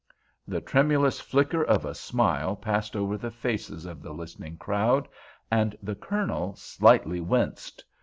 The tremulous flicker of a smile passed over the faces of the listening crowd, and the Colonel slightly winced.